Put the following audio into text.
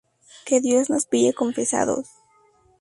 Qué Dios nos pille confesados